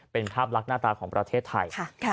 เป็นภาพลักษณ์หน้าตาของประเทศไทย